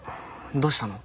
どうしたの？